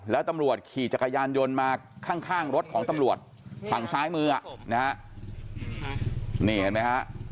แล้วตำรวจขี่จักรยานยนต์มาข้างรถของตำรวจขังซ้ายมือเนี่ยฮะ